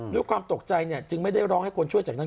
ด้วยความตกใจจึงไม่ได้ร้องให้คนช่วยจากนั้น